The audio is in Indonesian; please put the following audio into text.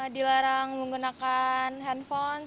dilarang menggunakan handphone